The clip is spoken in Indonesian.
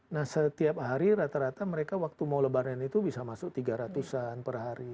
nah setiap hari rata rata mereka waktu mau lebaran itu bisa masuk tiga ratus an per hari